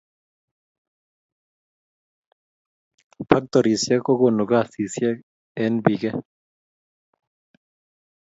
Pactorisiek kokonu kasisiek eng bike.